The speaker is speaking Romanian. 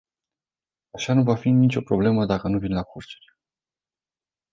Așa nu va fi nicio problemă dacă nu vin la cursuri.